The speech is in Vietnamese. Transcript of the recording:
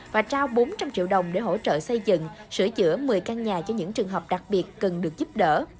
và trao bốn trăm linh triệu đồng để hỗ trợ xây dựng sửa chữa một mươi căn nhà cho những trường hợp đặc biệt cần được giúp đỡ